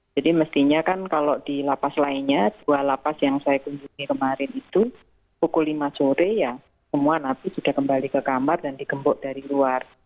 jadi mestinya kan kalau di lapas lainnya dua lapas yang saya kunjungi kemarin itu pukul lima sore ya semua nabi sudah kembali ke kamar dan dikembok dari luar